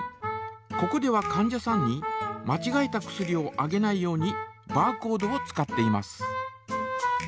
ここではかん者さんにまちがえた薬をあげないようにバーコードを使っています。